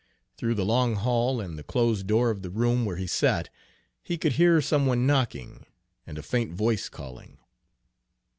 Through the long hall and the closed door of the room where he sat, he could hear some one knocking, and a faint voice calling.